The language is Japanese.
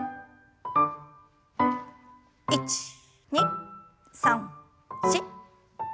１２３４。